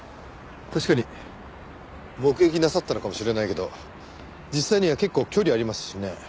確かに目撃なさったのかもしれないけど実際には結構距離ありますしね